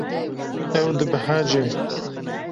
Ew dibehece.